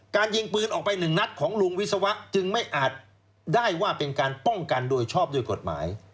ยิงปืนออกไปหนึ่งนัดของลุงวิศวะจึงไม่อาจได้ว่าเป็นการป้องกันโดยชอบด้วยกฎหมาย